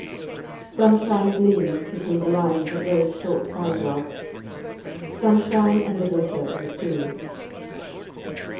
Sunshine gleams between the lines of those short paragraphs sunshine and the glitter of the sea.